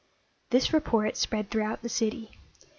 This report spread throughout the city.